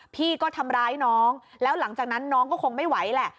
พี่ก็ทำร้ายน้องแล้วหลังจากนั้นน้องก็คงไม่ไหวแหละ